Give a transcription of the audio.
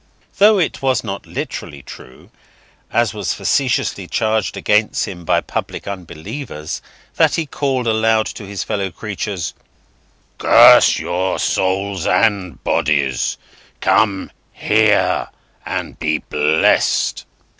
Though it was not literally true, as was facetiously charged against him by public unbelievers, that he called aloud to his fellow creatures: "Curse your souls and bodies, come here and be blessed!"